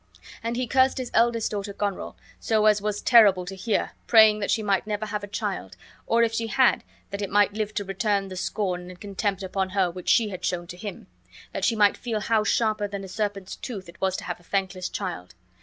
And he cursed his eldest daughter, Goneril, so as was terrible to hear, praying that she might never have a child, or, if she had, that it might live to return that scorn and contempt upon her which she had shown to him; that she might feel how sharper than a serpent's tooth it was to have a thankless child.